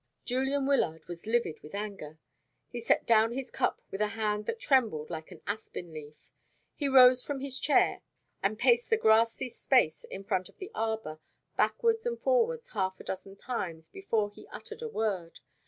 Julian Wyllard was livid with anger. He set down his cup with a hand that trembled like an aspen leaf; he rose from his chair, and paced the grassy space in front of the arbour, backwards and forwards half a dozen times, before he uttered a word.